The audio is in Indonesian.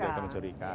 yang mencuri ikan